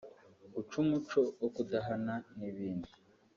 guca umuco wo kudahana n’ibindi